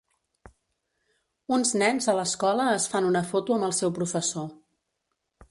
Uns nens a l'escola es fan una foto amb el seu professor.